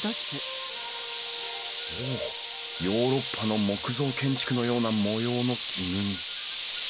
おおヨーロッパの木造建築のような模様の木組み。